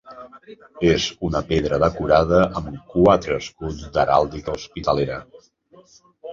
És una pedra decorada amb quatre escuts d'heràldica hospitalera.